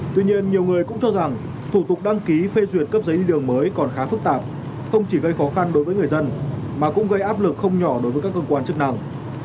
tuy nhiên nhiều người cũng cho rằng thủ tục đăng ký phê duyệt cấp giấy đường mới còn khá phức tạp không chỉ gây khó khăn đối với người dân mà cũng gây áp lực không nhỏ đối với các cơ quan chức năng